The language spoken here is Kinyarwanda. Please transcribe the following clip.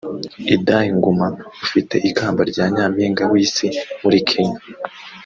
Idah Nguma ufite ikamba rya Nyampinga w’Isi muri Kenya